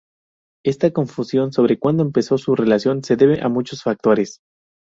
Esta confusión sobre cuándo comenzó su relación se debe a muchos factores.